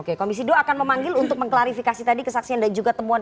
oke komisi dua akan memanggil untuk mengklarifikasi tadi kesaksian dan juga temuan